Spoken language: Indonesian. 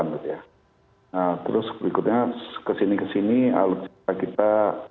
nah terus berikutnya kesini kesini alutsista kita